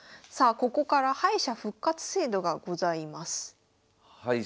ここから敗者復活制度がございます。